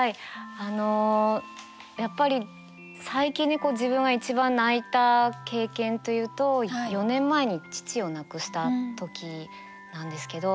あのやっぱり最近で自分が一番泣いた経験というと４年前に父を亡くした時なんですけど。